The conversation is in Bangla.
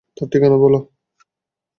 তার ঠিকানা বলো?